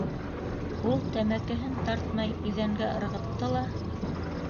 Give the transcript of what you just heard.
Ул тәмәкеһен тартмай иҙәнгә ырғытты ла: